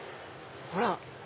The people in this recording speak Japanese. ほら。